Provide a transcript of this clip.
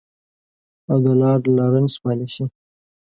او د لارډ لارنس پالیسي.